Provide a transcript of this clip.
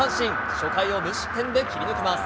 初回を無失点で切り抜けます。